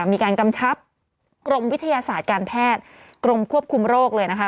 มีการกำชับกรมวิทยาศาสตร์การแพทย์กรมควบคุมโรคเลยนะคะ